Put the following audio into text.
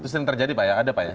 sering terjadi pak ya ada pak ya